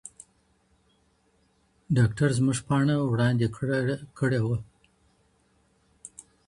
ډاکټر زموږ پاڼه وړاندي کړې وه.